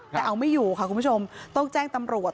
แต่เอาไม่อยู่ค่ะคุณผู้ชมต้องแจ้งตำรวจ